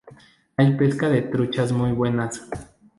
Hay pesca de truchas muy buenas.